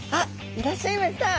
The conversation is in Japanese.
いらっしゃいました。